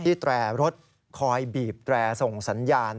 แตรรถคอยบีบแตรส่งสัญญาณ